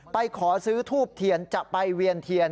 ขอซื้อทูบเทียนจะไปเวียนเทียน